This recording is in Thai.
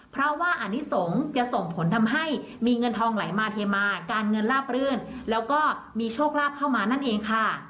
เพราะว่าอนิสงฆ์จะส่งผลทำให้มีเงินทองไหลมาเทมาการเงินราบรื่นแล้วก็มีโชคลาภเข้ามานั่นเองค่ะ